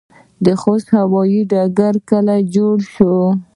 د خوست هوايي ډګر کله جوړ شو؟